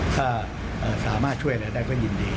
ถ้าสามารถช่วยอะไรได้ก็ยินดี